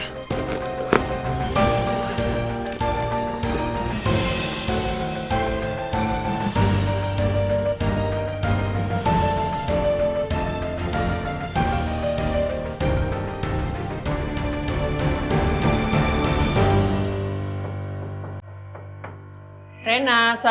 suara baik satu